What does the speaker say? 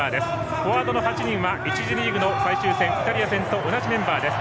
フォワードの８人は１次リーグの最終戦イタリア戦と同じメンバーです。